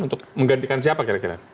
untuk menggantikan siapa kira kira